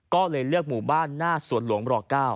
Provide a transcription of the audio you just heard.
ก็เลยเลือกหมู่บ้านหน้าสวนหลวงบร๙